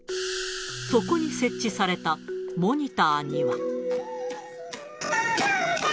そこに設置されたモニターには。